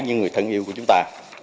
như người thân yêu của chúng ta